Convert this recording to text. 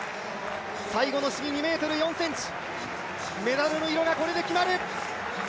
最後の試技、２ｍ４ｃｍメダルの色がこれで決まる。